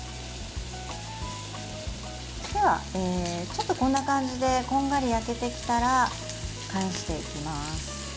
では、ちょっとこんな感じでこんがり焼けてきたら返していきます。